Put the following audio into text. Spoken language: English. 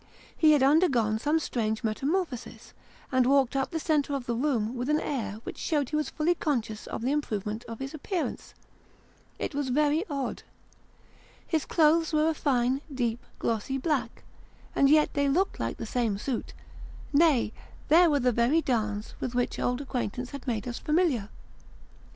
He had undergone some strange metamorphosis, and walked up the centre of the room with an air which showed he was fully conscious of the improvement in his appearance. It was Haunted by a Shabby genteel Man. 197 very odd. His clothes were a fine, deep, glossy black ; and yet they looked like tho same suit ; nay, there were the very darns with which old acquaintance had made us familiar.